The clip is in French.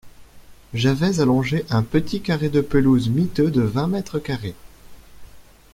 J’avais à longer un petit carré de pelouse miteux de vingt mètres carrés.